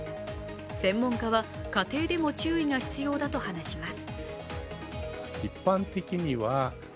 専門家は家庭でも注意が必要だと話します。